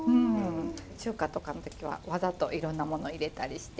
中華とかの時はわざといろんなもの入れたりして。